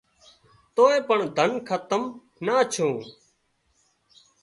توئي پڻ ڌنَ کتم نا ڇُون